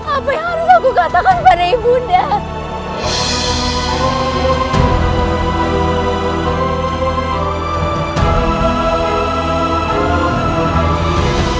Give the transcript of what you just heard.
apa yang harus aku katakan pada ibu rai